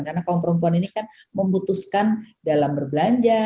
karena kaum perempuan ini kan memutuskan dalam berbelanja